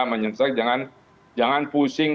menyentuhkan jangan pusing